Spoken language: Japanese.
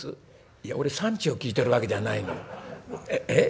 いや俺産地を聞いてるわけじゃないの。え？